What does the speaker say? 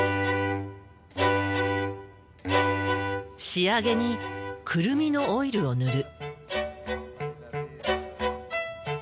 仕上げにクルミのオイルを塗る。